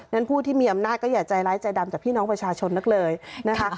ผู้ที่มีอำนาจก็อย่าใจร้ายใจดำจากพี่น้องประชาชนนักเลยนะคะ